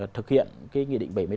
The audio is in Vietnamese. thực hiện cái nghị định bảy mươi tám